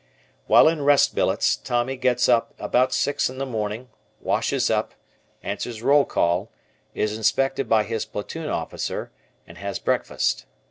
While in rest billets Tommy gets up about six in the morning, washes up, answers roll call, is inspected by his platoon officer, and has breakfast.